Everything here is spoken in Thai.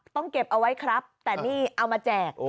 เก็บเอาไว้ครับแต่นี่เอามาแจก